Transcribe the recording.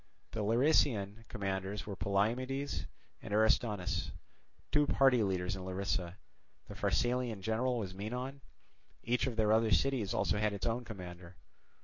The Larisaean commanders were Polymedes and Aristonus, two party leaders in Larisa; the Pharsalian general was Menon; each of the other cities had also its own commander.